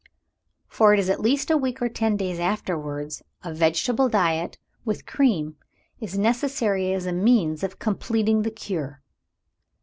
For at least a week or ten days afterwards a vegetable diet, with cream, is necessary as a means of completing the cure."